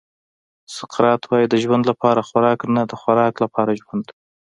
سقراط وایي د ژوند لپاره خوراک نه د خوراک لپاره ژوند.